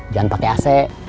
jangan pakai ac